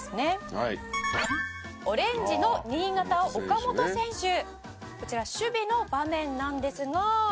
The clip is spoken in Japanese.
「はい」「オレンジの新潟岡本選手」「こちら守備の場面なんですが」